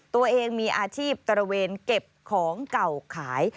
ตัวเองมีอาชีพตระเวนเก็บของเก่าขาย